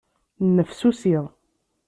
Nnefsusi.